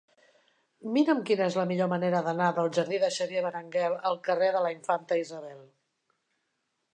Mira'm quina és la millor manera d'anar del jardí de Xavier Benguerel al carrer de la Infanta Isabel.